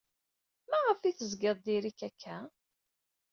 Maɣef ay tezgid diri-k akka?